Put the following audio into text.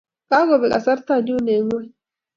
Kakobek kasarta nyu eng ngony.